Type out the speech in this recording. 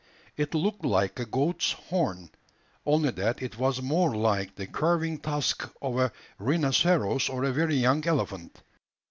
It looked like a goat's horn, only that it was more like the curving tusk of a rhinoceros or a very young elephant.